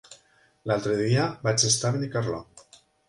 L'altre dia vaig estar a Benicarló.